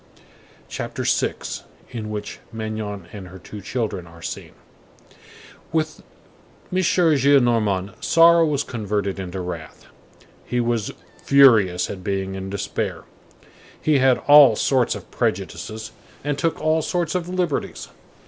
CHAPTER VI—IN WHICH MAGNON AND HER TWO CHILDREN ARE SEEN With M. Gillenormand, sorrow was converted into wrath; he was furious at being in despair. He had all sorts of prejudices and took all sorts of liberties.